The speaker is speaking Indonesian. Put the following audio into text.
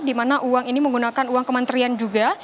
di mana uang ini menggunakan uang kementerian juga